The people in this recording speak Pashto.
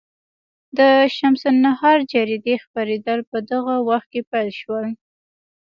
د شمس النهار جریدې خپرېدل په دې وخت کې پیل شول.